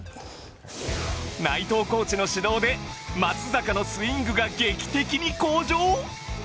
内藤コーチの指導で松坂のスイングが劇的に向上！？